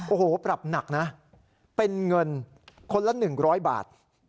โอ้โหปรับหนักนะเป็นเงินคนละ๑๐๐บาท